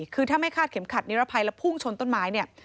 คือถ้าไม่คาดเข็มขัดนิรภัยแล้วพุ่งชนต้นไม้เนี่ย